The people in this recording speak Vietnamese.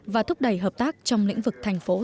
và thúc đẩy hợp tác trong lĩnh vực thành phố thông minh